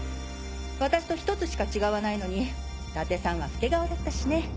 私と１つしか違わないのに伊達さんは老け顔だったしね。